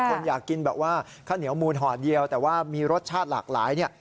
คนอยากกินแบบว่าข้าวเหนียวมูลห่อเดียวแต่ว่ามีรสชาติหลากหลายเนี่ย